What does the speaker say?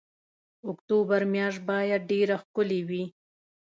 اکتوبر میاشت باید ډېره ښکلې وي.